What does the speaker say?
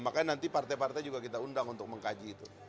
makanya nanti partai partai juga kita undang untuk mengkaji itu